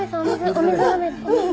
お水飲める？